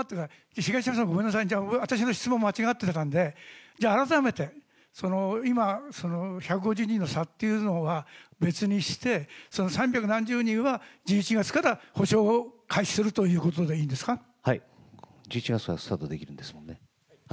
東山さん、ごめんなさい、じゃあ、私の質問が間違ってたんで、じゃあ、改めて、今、１５０人の差っていうのは、別にして、その三百何十人は１１月から補償を開始するということでいいんで１１月からスタートできるんですよね。